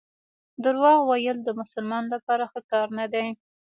درواغ ویل د مسلمان لپاره ښه کار نه دی.